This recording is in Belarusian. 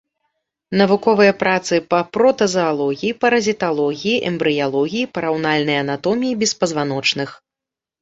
Навуковыя працы па протазаалогіі, паразіталогіі, эмбрыялогіі, параўнальнай анатоміі беспазваночных.